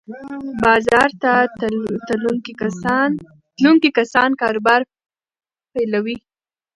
بازار ته تلونکي کسان کاروبار پیلوي.